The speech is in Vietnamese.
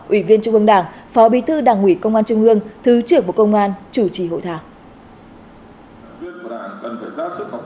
ủy viên trung ương đảng phó bí thư đảng ủy công an trung ương thứ trưởng bộ công an chủ trì hội thảo